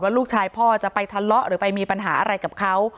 ลูกชายพ่อจะไปทะเลาะหรือไปมีปัญหาอะไรกับเขา